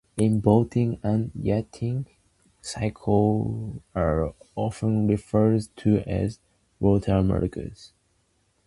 In boating and yachting circles, desalinators are often referred to as "watermakers".